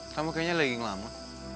kamu kayaknya lagi ngelama